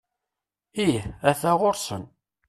Ih, ata ɣuṛ-sen.